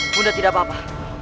bunda tidak apa apa